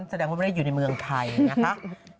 แสดงว่าไม่ได้อยู่ในเมืองไทยนะคะ